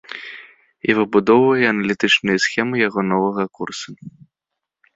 І выбудоўвае аналітычныя схемы яго новага курса.